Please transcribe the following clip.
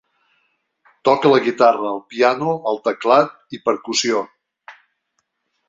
Toca la guitarra, el piano, el teclat i percussió.